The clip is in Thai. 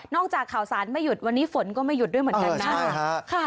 จากข่าวสารไม่หยุดวันนี้ฝนก็ไม่หยุดด้วยเหมือนกันนะ